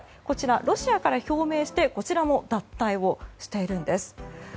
こちらロシアから表明して脱退をしているんです。